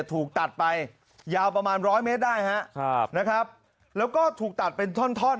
ถูกตัดไปยาวประมาณร้อยเมตรได้ฮะครับนะครับแล้วก็ถูกตัดเป็นท่อนท่อน